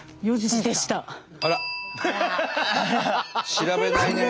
調べないねえ。